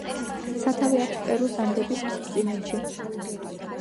სათავე აქვს პერუს ანდების მთისწინეთში.